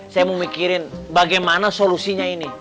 saya mau mikirin bagaimana solusinya ini